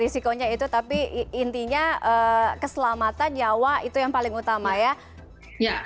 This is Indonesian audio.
risikonya itu tapi intinya keselamatan nyawa itu yang paling utama ya